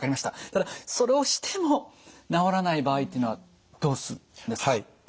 ただそれをしても治らない場合っていうのはどうするんですか？